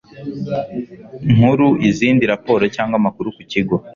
Nkuru izindi raporo cyangwa amakuru ku kigo